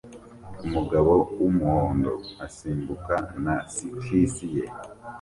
Umugabo wumuhondo asimbuka na skisi ye